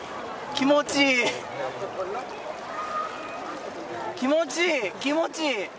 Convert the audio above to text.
気持ちいい、気持ちいい。